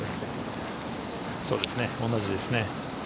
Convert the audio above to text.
同じですね。